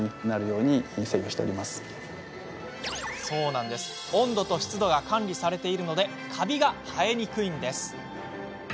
そう、温度と湿度が管理されているのでカビが生えにくいんです。